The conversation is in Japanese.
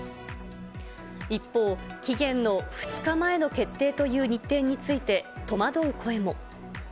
一方、期限の２日前の決定という日程について、戸惑う声も。